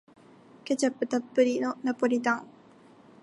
ケチャップたっぷりのナポリタン